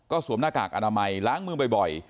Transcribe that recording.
สวมหน้ากากอนามัยล้างมือบ่อย